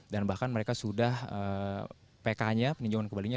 dan bahkan mereka sudah pk nya peninjauan kembalinya